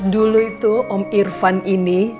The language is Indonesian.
dulu itu om irfan ini